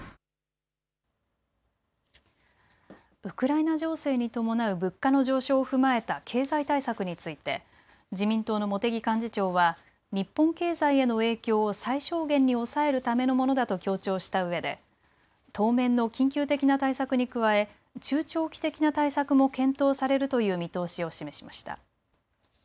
ウクライナ情勢に伴う物価の上昇を踏まえた経済対策について自民党の茂木幹事長は日本経済への影響を最小限に抑えるためのものだと強調したうえで当面の緊急的な対策に加え中長期的な対策も検討されるという見通しを示しました。